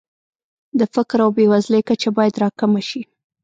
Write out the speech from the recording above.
د فقر او بېوزلۍ کچه باید راکمه شي.